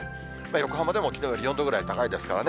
横浜でもきのうより４度ぐらい高いですからね。